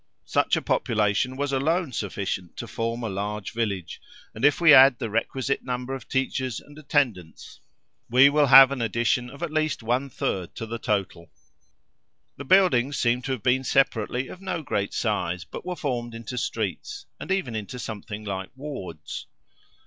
Such a population was alone sufficient to form a large village; and if we add the requisite number of teachers and attendants, we will have an addition of at least one third to the total. The buildings seem to have been separately of no great size, but were formed into streets, and even into something like wards.